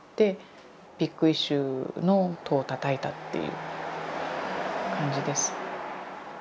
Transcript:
「ビッグイシュー」の戸をたたいたっていう感じです。